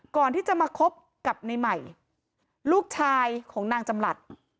ก่อนที่จะมาคบกับในใหม่ลูกชายของนางจำหลัด